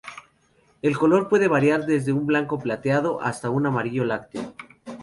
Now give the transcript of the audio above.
El color puede variar desde un blanco plateado hasta un amarillo lácteo.